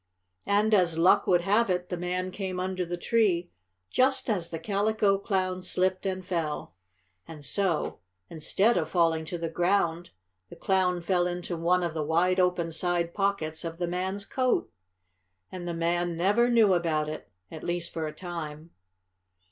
And, as luck would have it, the man came under the tree just as the Calico Clown slipped and fell. And so, instead of falling to the ground, the Clown fell into one of the wide open side pockets of the man's coat. And the man never knew about it at least for a time.